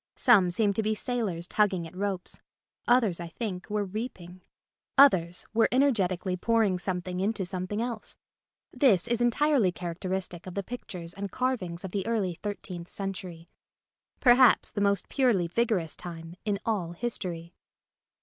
Some seemed to be sailors tugging at ropes ; others, I think, were reaping ; others were energetically pouring some thing into something else. This is entirely characteristic of the pictures and carvings The Little Birds Who Won't Sing of the early thirteenth century, perhaps the most purely vigorous time in all history.